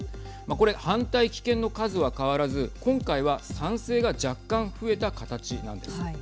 これ反対棄権の数は変わらず今回は賛成が若干増えた形なんです。